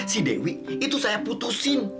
si dewi itu saya putusin